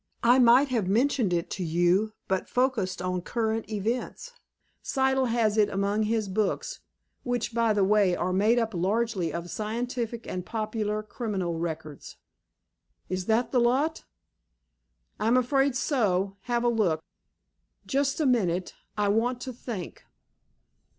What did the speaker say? I might have mentioned it to you, but focussed on current events. Siddle has it among his books, which, by the way, are made up largely of scientific and popular criminal records." "Is that the lot?" "I'm afraid so. Have a look." "Just a minute. I want to think."